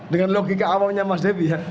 dengan logika awalnya mas devi ya